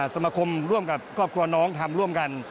สมคมร่วมกับครอบครัวน้องทำร่วมกัน